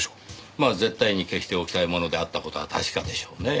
まあ絶対に消しておきたいものであった事は確かでしょうねぇ。